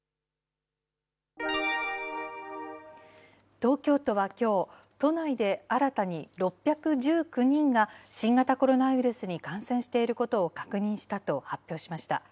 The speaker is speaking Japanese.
東京都はきょう、都内で新たに６１９人が、新型コロナウイルスに感染していることを確認したと発表しました。